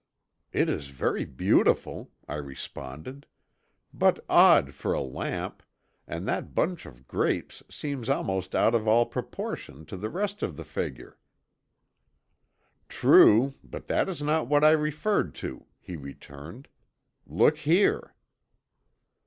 "It is very beautiful," I responded, "but odd for a lamp, and that bunch of grapes seems almost out of all proportion to the rest of the figure." "True, but that is not what I referred to," he returned. "Look here!"